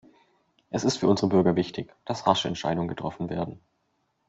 Es ist für unsere Bürger wichtig, dass rasche Entscheidungen getroffen werden.